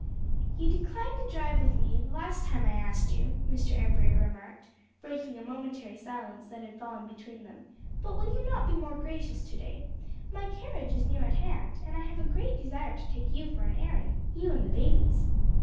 _ "You declined a drive with me the last time I asked you," Mr. Embury remarked, breaking a momentary silence that had fallen between them, "but will you not be more gracious to day? My carriage is near at hand, and I have a great desire to take you for an airing you and the babies."